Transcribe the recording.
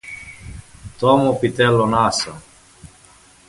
tomo pi telo nasa.